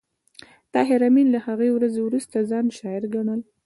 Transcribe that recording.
طاهر آمین له هغې ورځې وروسته ځان شاعر ګڼل